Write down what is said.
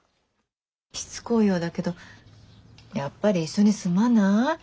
しつこいようだけどやっぱり一緒に住まない？